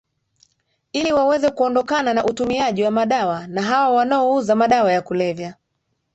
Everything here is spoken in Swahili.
ili waweze kuondokana na utumiaji wa madawa na hawa wanaouza madawa ya kulevya